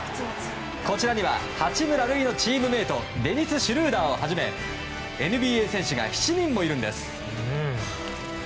こちらには八村塁のチームメートデニス・シュルーダーをはじめＮＢＡ選手が７人もいるんです。